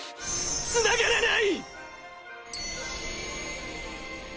つながらない！